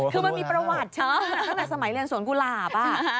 คือมันมีประวัติใช่ไหมตั้งแต่สมัยเรียนสวนกุหลาบ